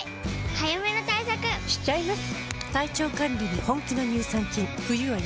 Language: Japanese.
早めの対策しちゃいます。